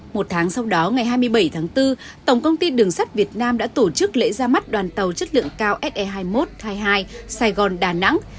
một tháng sau đó ngày hai mươi bảy tháng bốn tổng công ty đường sắt việt nam đã tổ chức lễ ra mắt đoàn tàu chất lượng cao se hai mươi một hai mươi hai sài gòn đà nẵng